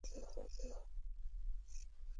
আমি তোমাকে সারপ্রাইজ দিতে চেয়েছিলাম।